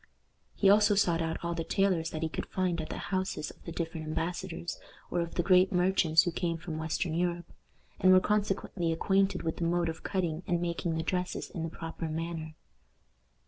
He also sought out all the tailors that he could find at the houses of the different embassadors, or of the great merchants who came from western Europe, and were consequently acquainted with the mode of cutting and making the dresses in the proper manner.